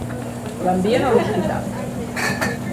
L'envien a l'hospital.